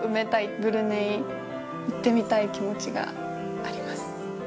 ブルネイ行ってみたい気持ちがあります。